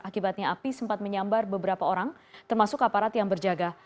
akibatnya api sempat menyambar beberapa orang termasuk aparat yang berjaga